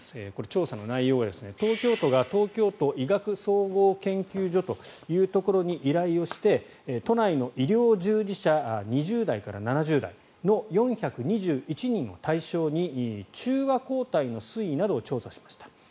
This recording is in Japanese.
調査の内容が東京都が東京都医学総合研究所というところに依頼して、都内の医療従事者２０代から７０代の４２１人を対象に中和抗体の推移などを調査しました。